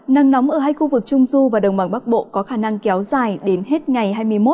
nắng nóng ở hai khu vực trung du và đồng bằng bắc bộ có khả năng kéo dài đến hết ngày hai mươi một